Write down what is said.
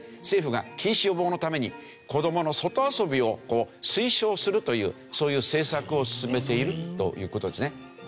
政府が近視予防のために子どもの外遊びを推奨するというそういう政策を進めているという事ですね。